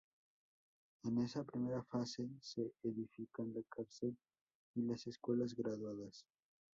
En esa primera fase se edifican la Cárcel y las Escuelas Graduadas.